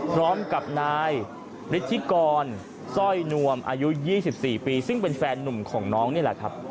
พร้อมกับนายฤทธิกรสร้อยนวมอายุ๒๔ปีซึ่งเป็นแฟนนุ่มของน้องนี่แหละครับ